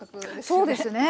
そうですね。